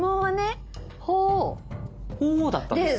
鳳凰だったんですね。